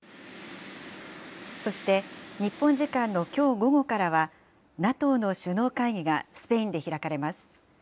そして、日本時間のきょう午後からは、ＮＡＴＯの首脳会議がスペインで開かれます。